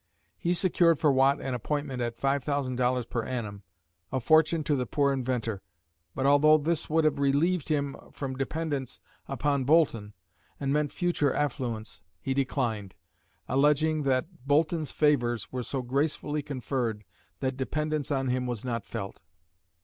He secured for Watt an appointment at $5,000 per annum, a fortune to the poor inventor; but although this would have relieved him from dependence upon Boulton, and meant future affluence, he declined, alleging that "Boulton's favours were so gracefully conferred that dependence on him was not felt."